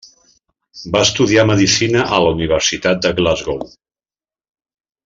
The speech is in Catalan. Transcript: Va estudiar medicina a la Universitat de Glasgow.